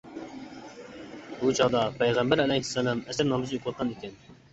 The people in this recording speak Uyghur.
بۇ چاغدا پەيغەمبەر ئەلەيھىسسالام ئەسىر نامىزى ئوقۇۋاتقان ئىكەن.